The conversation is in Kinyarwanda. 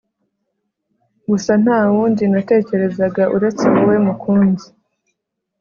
gusa ntawundi natekerezaga uretse wowe mukunzi